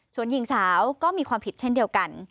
ส่วนหญิงสาวก็มีความผิดเช่นเดียวกัน